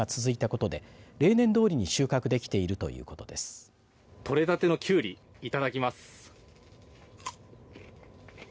とれたてのきゅうりいただきます。